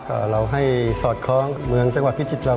ก็เราให้สอดคล้องเมืองจังหวัดพิจิตรเรา